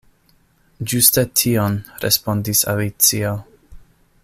"Ĝuste tion," respondis Alicio.